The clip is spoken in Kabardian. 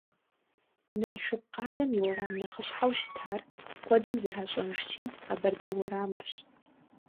Налшык къалэм и уэрам нэхъыщхьэу щытар, куэдым зэращӏэжщи, Къэбэрдей уэрамырщ.